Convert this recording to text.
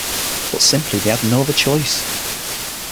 But simply they had no other choice.